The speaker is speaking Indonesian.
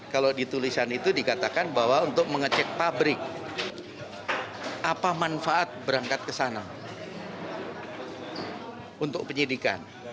kalau di tulisan itu dikatakan bahwa untuk mengecek pabrik apa manfaat berangkat ke sana untuk penyidikan